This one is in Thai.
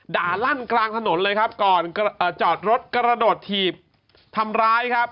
ลั่นกลางถนนเลยครับก่อนจอดรถกระโดดถีบทำร้ายครับ